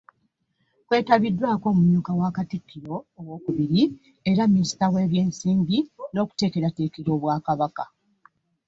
Kwetabiddwako omumyuka wa Katikkiro owookubiri era Minisita w'ebyensimbi n'okuteekerateekera Obwakabaka